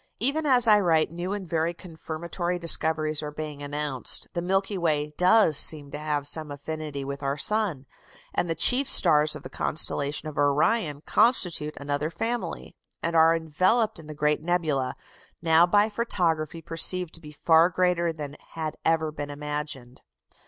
Even as I write, new and very confirmatory discoveries are being announced. The Milky Way does seem to have some affinity with our sun. And the chief stars of the constellation of Orion constitute another family, and are enveloped in the great nebula, now by photography perceived to be far greater than had ever been imagined.